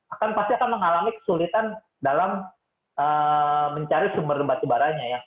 akan pasti akan mengalami kesulitan dalam mencari sumber batubaranya ya